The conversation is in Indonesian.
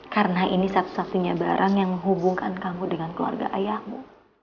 karena ini satu satunya barang yang menghubungkan kamu dengan keluarga ayahmu